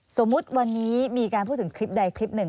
สมมุติวันนี้มีการพูดถึงคลิปใดคลิปหนึ่ง